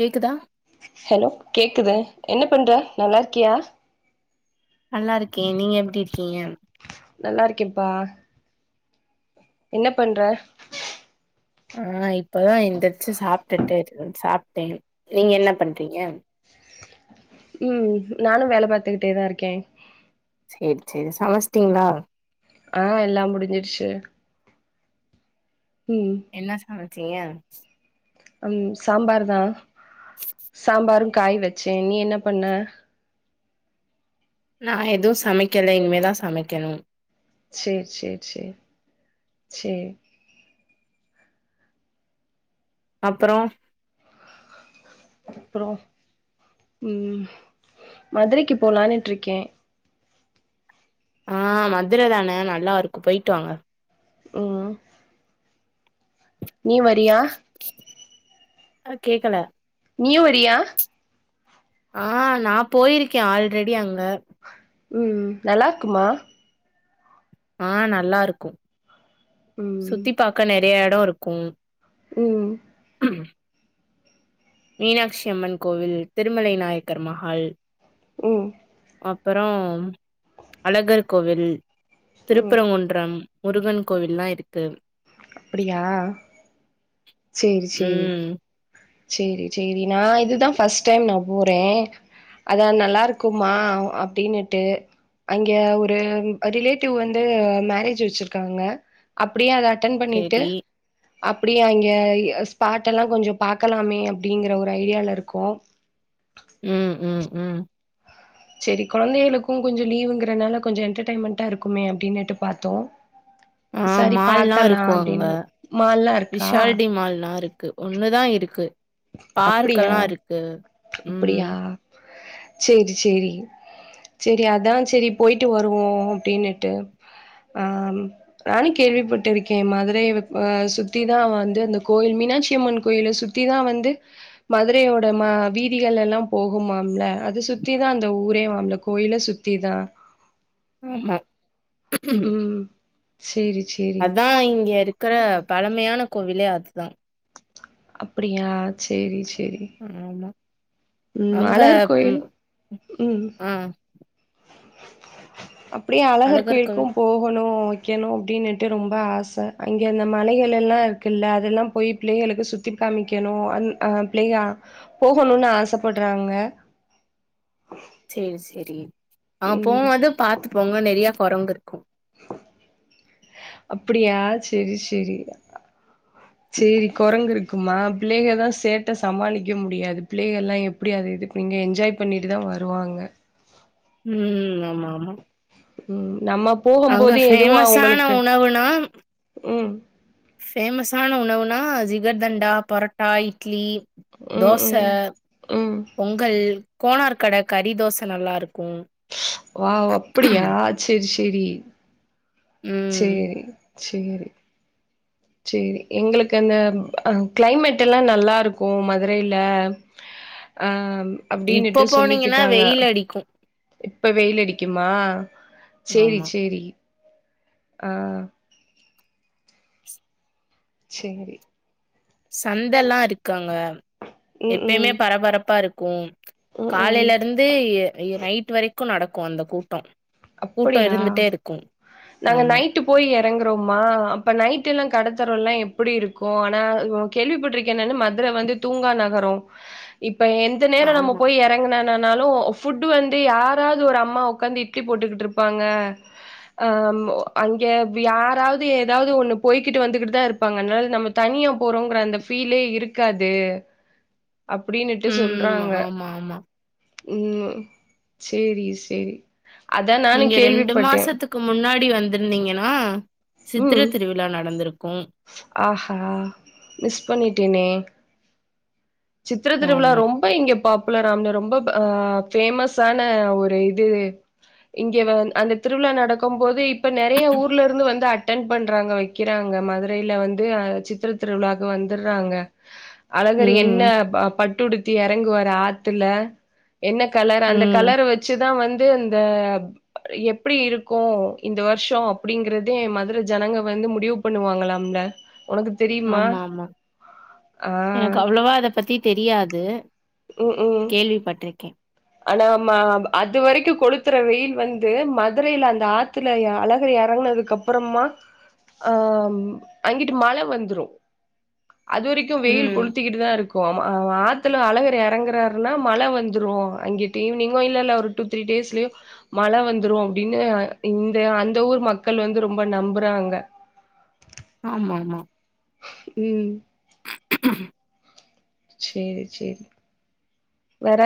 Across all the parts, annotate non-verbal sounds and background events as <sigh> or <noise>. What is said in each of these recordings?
கேக்குதா ஹலோ கேட்குது என்ன பண்ற நல்லாருக்கியா நல்லாருக்கே நீங்க எப்டி இருக்கீங்க நல்லாருக்கேப்பா என்ன பண்ற ஆ இப்பதா என்திர்ச்சு சாப்ட்டுட்டு <unintelligible> சாப்ட்டே நீங்க என்ன பண்றீங்க ம் நானு வேல பாத்துக்கிட்டே தா இருக்கே சேரி சேரி சமச்ட்டீங்ளா ஆ எல்லா முடுஞ்சிருச்சு ம் என்ன சமச்சீங்க ம் சாம்பார் தா சாம்பாரு காய் வச்சே நீ என்ன பண்ண நா எதுவு சமைக்கல இனிமேதா சமைக்கணு சேரி சேரி சேரி சேரி அப்றோ அப்றோ ம் மதுரைக்கு போலான்ட்டுருக்கே ஆ மதுர தான நல்லாருக்கு போய்ட்டு வாங்க ம் நீ வறீயா ஆ கேக்கல நீயு வறியா ஆ நா போய்ருக்கே அல்ரெடி அங்க ம் நல்லாருக்குமா ஆ நல்லாருக்கும் ம் சுத்தி பாக்க நெறைய இடம் இருக்கும் ம் ம் மீனாட்சி அம்மன் கோவில் திருமலை நாயக்கர் மஹால் ம் அப்புறம் அழகர் கோவில் ம் திருப்பரங்குன்றம் முருகன் கோவில்லா இருக்கு அப்டியா சேரி சேரி ம் சேரி சேரி நா இதுதா ஃபஸ்ட்டு டைம் நா போறே அதா நல்லாருக்குமா அப்டின்னுட்டு அங்க ஒரு ரிலேட்டிவ் வந்து மேரேஜ் வெச்சிருக்காங்க அப்டியே அத அட்டன் பண்ணிட்டு சேரி அப்டியே அங் க ஸ்பாட்டல்லா கொஞ்சோ பாக்கலாமே அப்டிங்கிற ஒரு ஐடியாவுல இருக்கோ ம் ம் ம் செரி கொழந்தைகளுக்கு கொஞ்சோ லீவுங்கறனால கொஞ்சோ என்டர்டெயன்மெண்ட்டாருக்கமே அப்டின்னுட்டு பாத்தோ ஆ சரி மால்லா பாக்கலா இருக்கு அங்க அப்டின்னு மால்லா இருக்கா விஷால்டி மால்லாருக் கு ஒண்ணுதா இருக்கு அப்டியா பார்க்கெல்லா இருக்கு ம் அப்டியா செரி செரி செரி அதா செரி போயிட்டு வருவோ அப்டின்னிட்டு ஆ நானு கேள்விப்பட்டிருக்கே மதுரை அ சுத்திதா வந்து அந்த கோயில் மீனாட்சி அம்மன் கோயில சுத் திதா வந்து மதுரையோட ம வீதிகல்லெல்லா போகுமாம்ல அத சுத்தி தா அந்த ஊரே வாம்ல கோயில சுத்தி தா ஆமா ம் செரி செரி அதா இங்கயிருக்க பழமையான கோவிலே அதுதா அப்டியா செரி செரி ஆமா அங்க கோயில் ம் ம் ஆ அப்டியே அழகர் கோயிலுக்கு போகணு வெக்கணு அப்டின்னுட்டு ரொம்ப ஆச அங்க அந்த மலைகலெல்லா இருக்குல்ல அதெல்லா போய் பிள்ளைகளுக்கு சுத்தி காமிக்கணு அந் பிள்ளைக போகணும்னு ஆசப்படுறாங்க செரி செரி ஆ ம் போம்போது பாத்து போங்க நெறியா குரங்கு இருக்கு அப்புடியா செரி செரி சேரி கொரங்கு இருக்குமா பிள்ளைக தா சேட்ட சமாளிக்க முடியாது பிள்ளைகல்லா எ ப்டி அது இதுக் நீங்க என்ஜாய் பண்ணிட்டு தா வருவாங்க ம் ஆமா ஆமா ம் நம்ம அங்க போகம்போது எதுவு ஃபேமஸான அவங்களுக்கு உணவுனா ம் ஃபேமஸான உணவுனா ஜிகர்தண்டா பரோட்டா இட்லி ம் தோச ம் ம் பொங்கல் கோனார் கட கறி தோச நல்லாருக்கு வாவ் அப்புடியா செரி செரி ம் சேரி சேரி சேரி எங்ளுக்கு அந்த அ கிளைமேட்டெல்லா நல்லாருக்கு மதுரைல அ இப்போ அப்டின்னுட்டு போனீங்கன்னா சொல்லிக்கிட்டாங்க வெயில் அடிக்கு இப்ப வெயிலடிக்குமா சேரி ஆமா சேரி ஆ சேரி சந்தல்லா இருக்கங்க ம், ம். எப்பயுமே பரபரப்பா இருக்கு ம், ம். காலைல இருந்து இ இர நைட் வரைக்கு நடக்கு அந்த கூட்டோ கூட்டோ அப்படியா? இருந்துட்டே இருக்கு ஆமா ட் போய் எறங்குறோமா அப்ப நைட் எல்லா கடத்தெருவல்லா எப்டி இருக்கு ஆனா கேள்விப்பட்ருக்கே நானு மதுர வந்து தூங்கா நகரோ இப்ப எந் த நேரௌ நம்ம ஆமா போய் எறங்குனனனாலு ஃபுட் வந்து யாராவ்து ஒரு அம்மா உக்காந்து இட் ட்லி போட்டுக்கிட்ருப்பாங்க ஆம் ஒ அங்க வி யாராவ்து எதாவ்து ஒன்னு போய்க்கிட்டு வந்துகிட்டு தா இருப் பாங்க அனால நம்ம தனியா போறோங்கற அந்த ஃபீலே இருக்காது அப்டின்னுட்டு ம் சொல்றாங்க ஆமா ஆமா ம் சேரி சேரி அதா நானு நீங்க ரெண்டு கேள்விப்பட்டே. மாசத்துக் கு முன்னாடி வந்திருந்தீங்கன்னா ம். சித்திர திருவிழா நடந்துருக்கு ஆஹா மிஸ் பண்ணிட்டேனே சித்திர திருவிழா ஆமா ரொம் ப இங்க பாப்புலராம்ம ரொம்ப அ ஃபேமஸான ஒரு இது இங்க வந் அந்த திருவிழா நடக்கும் போது இப்ப நெறைய ஊர்ல இருந்து வந்து அட்டன் பண்றாங்க வை க்கிறாங்க மதுரைல வந்து அ சித்தர திருவிழாக்கு வந்துறாங்க அழகர் ம் என்ன ப பட்டுடுத்தி எறங்குவார் ஆத்துல என்ன கலர் அந்த ம். கலர வச்சுதா வந்து அந்த ப் எப்டி இருக்கு இந்த வருஷோ அப்டிங்கறதே மதுர ஜனங்க வந்து முடிவுப் பண்ணுவாங்களாம்ல ஒனக்கு தெரி ஆமாமா எனக்கு அவ்ளவா இத பத்தி தெரியாது ம் ம் கேள்விப்பட்டுருக்கே ஆனா ம அது வரைக்கு கொழுத்துற வெயில் வந்து மதுரைல அந்த ஆத்துல எ அழகர் எறங்குனதுக்கப் ப்றமா ஆம் அங்கிட்டு மழ வந்துரு அதுவரைக் க்கு வெயில் ம். கொளுத்திக்கிட்டு தா இருக்கு அம ஆத்துல அழகர் எறங்குறாருன்னா மழ வந்துரு அங்கிட்டு ஈவினிங்கு இல்ல இல்ல ஒரு டூ த்ரீ டேஸ்லயு மழை வந்துரு அப்படின்னு இந்த அந்த ஊர் மக்கள் வந்து ரொம்ப நம்புறாங்க ஆமா ஆமா ம் <inaudible> சேரி சேரி வேற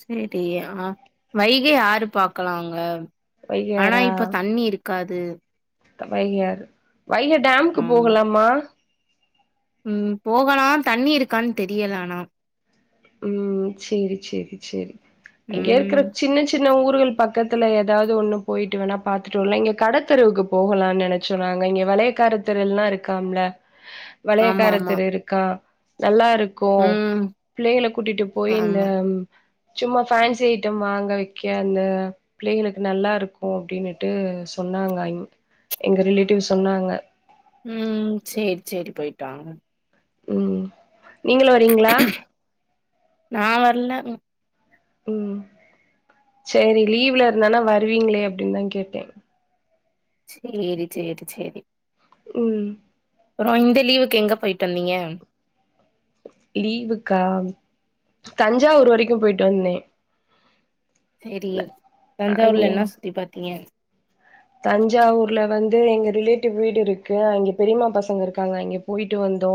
சேரி ஆ வைகை ஆறு பாக்கலாங்க ஆனா வைகையாறா இப்ப தண்ணி இருக் காது வைகையாறு வைகை டேமுக்கு ஆமா. போகலாமா ம் போகலா தண்ணி இருக்கான் தெரியல ஆனா ம் சேரி சேரி சேரி இங்கேருக்குற ம். சின்ன சி சின்ன ஊருகள் பக்கத்துல ஏதாவது ஒண்ணு போயிட்டு வேணா பாத்துட்டு வரலா இங்க கடத்தெறுவுக்கு போகலானு நெனச் சோ நாங்க இங்க வலையக்காரத்தெரு எல்லா இருக்காம்ல ஆமாமா. வளையக்காரதெரு இருக்கா நல்லா இருக்கு ம். பிள்ளைகள கூட்டிட்டு போயி இந்த ஆமா. ம் சும்மா ஃபேன்சி ஐட்டம் வாங்க வைக்க அந்த பிள்ளைகளுக்கு நல்லா இருக்கு அப்படினுட்டு சொன்னாங்க எங்க ரிலேட்டிவ் சொன்னாங்க ம் சேரி சேரி போயிட்டுவாங்க ம் நீங்களு வர்ரீங்களா நா வர்ல ம் சேரி லீவ்ல இருந்தானா வருவீங்களே அப்படின்னு தா கேட்டே சேரி சேரி சேரி ம் புறோ இந்த லீவுக்கு எங்க போயிட்டு வந்தீங்க லீவுக்கா தஞ்சாவூர் வரைக்கு போயிட்டு வந்தே செரி தஞ்சாவூர்ல அங்கே என்ன சுத்தி பாத்தீங்க தஞ்சாவூர்ல வந்து எங்க ரிலேட்டிவ் வீடு இருக்கு அங்க பெரிமா பசங்க இருக்காங்க அங்க போயிட்டு வந்தோ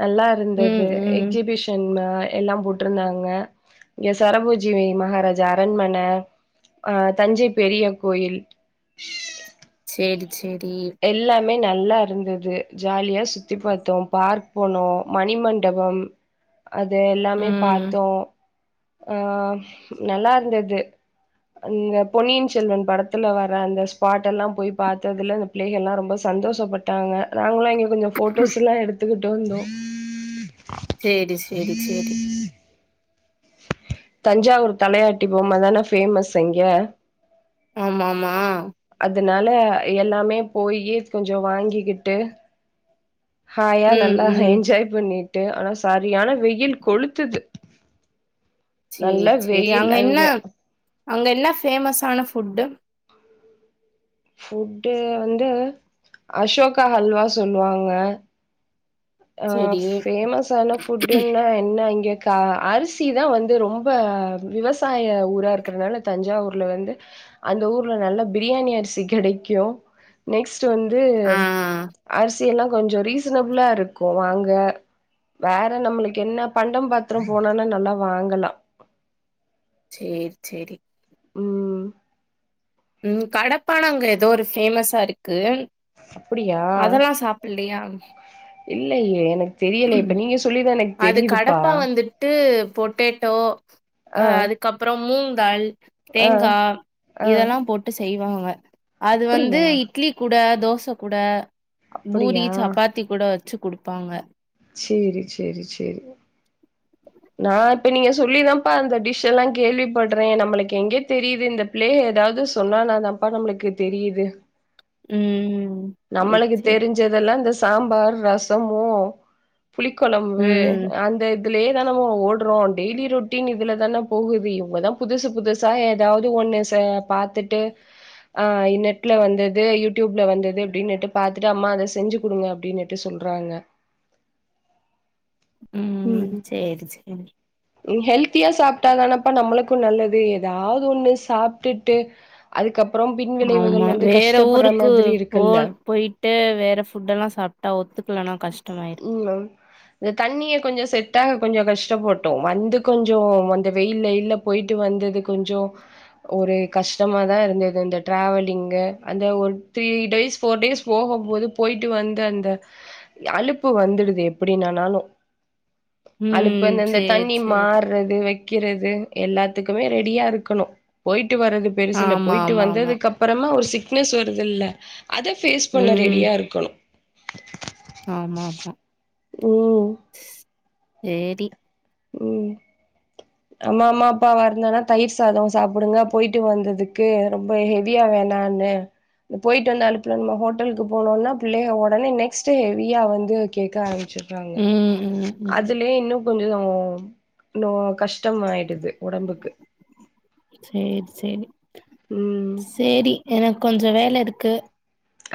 நல்லா ம், இருந்தது ம். எக்ஸிபிஷ் தென்ம எல்லாம் போட்டிருந்தாங்க இங்க சரபூஜி மகாராஜா அரண்மன அ தஞ்சை பெரிய கோயில் சேரி சேரி எல்லாமே நல்லா இருந்தது ஜாலியா சுத்தி பார்த்தோ பார்க் போனோ மணிமண்டபம் அது எல்லாமே ம். பார்த்தோம் ஆ நல்லாருந்தது அங்க பொன்னியின் செல்வன் படத்துல வர அந்த ஸ்பாட் எல்லாம் போயி பாத்ததில்லன் பிள்ளைக எல்லா ரொம்ப சந்தோஷப்பட்டாங்க நாங்களு எங்க கொஞ்சோ ஃபோட்டோஸ்ல்லா எடுத்துக்கிட்டு வந்தோ சேரி சேரி சேரி தஞ்சாவூர் தலையாட்டி பொம்ம தான ஃபேமஸ் அங்க ஆம ஆமா அதனால எல்லாமே போயி கொஞ்ச வாங்கிக்கிட்டு ஹாயா ம், நல்லா ம். என்ஜாய் பண்ணிட்டு ஆனா சரியான வெயில் கொளுத்துது நல்ல சேரி சேரி வெயில் அங்க என்ன அங்க என்ன ஃபேமஸ்ஆன ஃபுட்டு ஃபுட்டு வந்து அசோகா அல்வா சொல்லுவாங்க அ சரி. ஃபேமஸ் ஆன ஃபுட்டுன்னா என்ன இங்க கா அரிசி தா வந்து ரொம்ப விவசாய ஊரா இருக்குறனால தஞ்சாவூர்ல வந்து அந்த ஊர்ல நல்ல பிரியாணி அரிசி கெடைக்கும் நெக்ஸ்ட்டுவந்து ஆ அரிசிஎல்லாம் கொஞ்சோம் ரீசனபலா இருக் கூ அங்க வேற நம்மளுக்கு என்ன பண்டம் பாத்திரம் பேனா நல்லா வாங்கலாம் சேரி சேரி உம் உம் கடப்பானம் அங்க ஏதோ ஒரு ஃபேமஸ்சா இருக்கு அப்டியா அதெல்லா சாப்பிடலையா? இல்லயே எனக் அது கடப்பா வந்துட்டு பொட்டேட்டோ ஆ அ அதுக்கப்புறமுந்தாள் ஆ தேங்கா ஆ இதெல்லாம் போட்டு செய்வாங்க அது வந்து அப்டியா இட் இட்லி கூட தோசை கூட பூரி அப்டியா சப்பாத்தி கூட வச்சு குடுப்பாங்க சேரி சேரி சேரி நா இப்ப நீங்க சொல்லிதான்ப்பா அந்த டிஷ்சு எல்லாம் கேள்வி பட்றே நம்மளுக்கு எங்கே தெரியுது இந்த பிள்ளேக ஏதாவது சொன்னானா தா ப்பா நம்மளுக்கு தெரியுது உம் நம்மளுக்கு தெரிஞ்சதுல்லா இந்த சாம்பார் ரசமு புளிக்கொழம்பு ம் அந்த இது இதுலயேதான் நம்ம ஓடுறோ டெய்லி ரொட்டீன் இதுல தான போகுது இவுங்க தா புதுசு புதுசு சா ஏதாவது ஒண்ணு ச பாத்துட்டு ஆ நெட்ல வந்தது யூடியூப்ல வந்தது அப்டின்னுட்டு பாத்துட்டு அம்மா அத செஞ்சு குடுங்க அப்டின்னுட்டு சொல்றாங்க உம் சேரி சேரி உம் ஹெல்த்தியா சாப்ட்டாதானப்பா நம்மளுக்கும் நல்லது ஏதாவது ஒண்ணு சாப்டுட்டு அதுக்கப்புறம் ஆமா பின்விளைவுகள் வந்து வேற கஷ்டப்படுற ஊருக்கு மாதிரி இருக்கு போன் போயிட்டு வேற ஃபுட்டு எல்லாம் சாப்ட்டா ஒத்துக்கலனா கஷ்டமாயிடும் <unintelligible> இந்த தண்ணிய கொஞ்சோ செட்டாக கொஞ்சோ கஷ்டபட்டோம் வந்து கொஞ்சோ அந்த வெயில்ல யில்ல வந்து போயிட்டு வந்தது கொஞ்சோம் ஒரு கஷ்டமா தா இருந்தது இந்த ட்ராவலிங்கு அந்த ஒருத்தி டேஸ் ஃபோர் டேஸ் போகும்போது போயிட்டு வந்து அந்த அலுப்பு வந்துடுது எப்டின்னனாலு அலுப்பு ம் அந்தஅந்த சேரி தண்ணி சேரி மார்றது க்கிறது எல்லாத்துக்குமே ரெடியா இருக்கணும் போயிட்டு வர்றது பெருசு ஆமா இல்லபோயிட்டு ஆமா ஆமா வந்ததுக்கு அப் அப்றமா ஒரு சிக்னஸ் வருதுல்ல அத ஃபேஸ் பண்ண ரெடியா இருக்கணு ஆமாக்கா ம் சேரி உம் நம்ம அம்மா அப்பா வந்தோன தயிர் சாத சாப்டுங்க போயிட்டு வந்ததுக்கு ரொம்ப ஹெவியா வேணானு போயிட்டு வந்த அலுப்புல நம்ம ஹோட்டலுக்கு போனோன்னா பிள்ளைக ஒடனே நெஸ்டு ஹெவியாக வந்து கேக்கஆரம்மிச்சுரு காங்க ம் ம் ம் அதுலயே இன்னும் கொஞ்சோ உம் இன்னும் கஷ்டம் ஆயிடுது ஒடம்புக்கு சேரி சேரி ம் சேரி எனக்கு கொஞ்சோம் வேல இருக்கு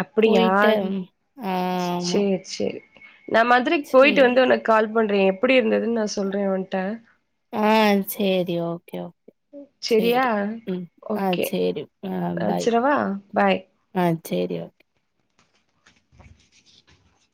அப்டியா போயிட்டு ஆ ஆமா சேரி சேரி நா மதுரைக்கு போயிட்டு சேரி வந்து ஒனக்கு கால் பண்றே எப்டி இருந்ததுன்னு நா சொல்றே ஒன்ட்ட ஆ சேரி ஓகே ஓகே சரியா சேரி ம் ஆ ஓகே சேரி ஆ பாய் வச்சிரவா பாய் ஆ சேரி ஓ